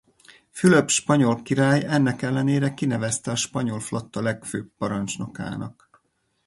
Fülöp spanyol király ennek ellenére kinevezte a spanyol flotta legfőbb parancsnokának.